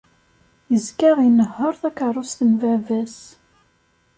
Yezga inehheṛ takeṛṛust n baba-s.